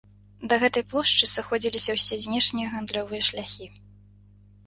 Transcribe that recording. Да гэтай плошчы сыходзіліся ўсе знешнія гандлёвыя шляхі.